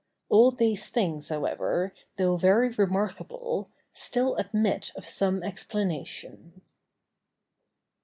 All these things, however, though very remarkable, still admit of some explanation.